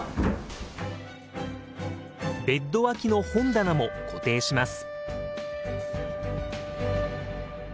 ベッド脇の本棚も固定します。